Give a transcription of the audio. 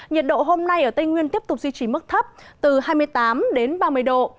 nhiệt độ hôm nay ở tây nguyên tiếp tục duy trì mức thấp từ hai mươi tám đến ba mươi độ